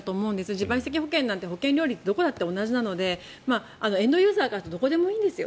自賠責保険なんて保険料どこも同じだと思うのでエンドユーザーからするとどこでもいいんですよ。